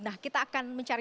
nah kita akan mencari